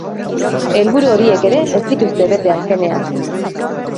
Helburu horiek ere ez dituzte bete azkenean.